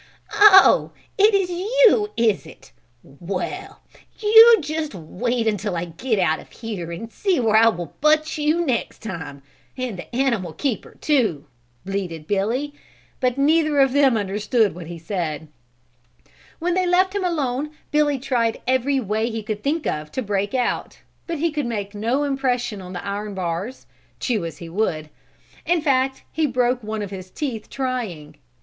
"Oh, it is you, is it? Well, you just wait until I get out of here and see where I will butt you next time, and the animal keeper, too," bleated Billy, but neither of them understood what he said. When they left him alone Billy tried every way he could think of to break out, but he could make no impression on the iron bars, chew as he would, in fact, he broke one of his teeth trying.